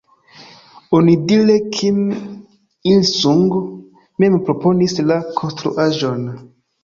Onidire Kim Il-sung mem proponis la konstruaĵon.